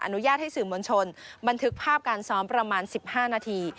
อนุญาตให้สื่อมวลชนบันทึกภาพการซ้อมประมาณ๑๕นาที